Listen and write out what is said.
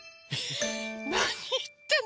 なにいってんの？